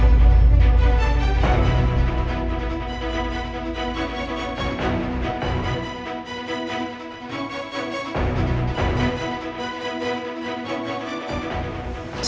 perlukan cenderung satu